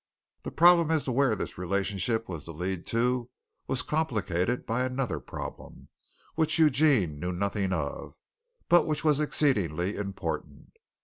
The problem as to where this relationship was to lead to was complicated by another problem, which Eugene knew nothing of, but which was exceedingly important.